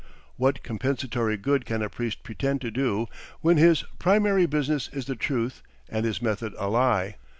What compensatory good can a priest pretend to do when his primary business is the truth and his method a lie?